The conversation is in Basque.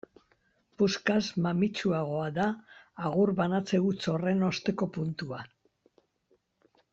Puskaz mamitsuagoa da agur banatze huts horren osteko puntua.